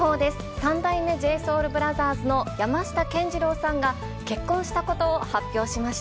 三代目ＪＳｏｕｌＢｒｏｔｈｅｒｓの山下健二郎さんが、結婚したことを発表しまし